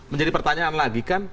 menjadi pertanyaan lagi kan